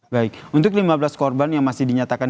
baik untuk lima belas korban yang masih dinyatakan